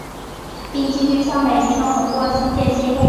并继续向北移动横过新界西部。